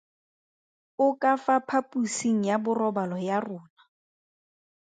O ka fa phaposing ya borobalo ya rona.